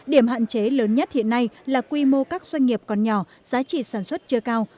điểm hạn chế lớn nhất hiện nay là quy mô các doanh nghiệp còn nhỏ giá trị sản xuất chưa cao